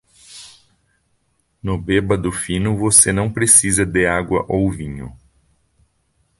No bêbado fino você não precisa de água ou vinho.